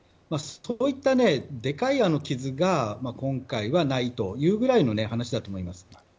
そういったでかい傷が今回はないというぐらいの話だと思います。